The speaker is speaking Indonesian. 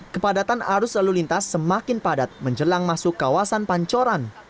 kepadatan arus lalu lintas semakin padat menjelang masuk kawasan pancoran